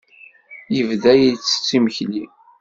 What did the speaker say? Yebda ittett imekli.